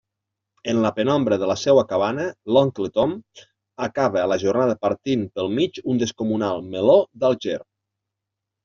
En la penombra de la seua cabana, l'oncle Tom acaba la jornada partint pel mig un descomunal meló d'Alger.